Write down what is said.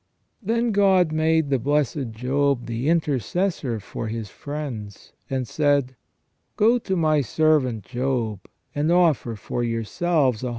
* Then God made the blessed Job the intercessor for his friends, and said: "Go to my servant Job, and offer for yourselves a holo * S.